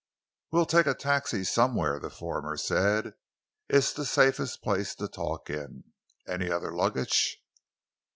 "We'll take a taxi somewhere," the former said. "It's the safest place to talk in. Any other luggage?"